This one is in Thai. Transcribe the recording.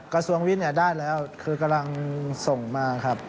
กระทวงวิทย์นี่ได้แล้วกำลังส่งมา